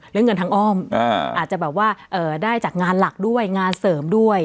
เรื่องเงินทางอ้อมอาจจะแบบว่าได้จากงานหลักด้วยงานเสริมด้วย